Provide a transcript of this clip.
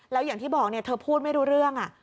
แล้วอย่างที่บอกเธอพูดไม่รู้เรื่อง